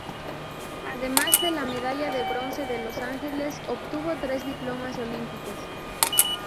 Además de la medalla de bronce de Los Ángeles obtuvo tres diplomas olímpicos.